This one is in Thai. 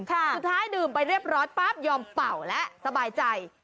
ดื่มไปเรียบร้อยปั๊บยอมเป่าแล้วสบายใจ